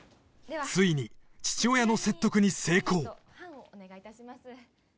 ついに父親の説得に成功サインと判をお願いいたします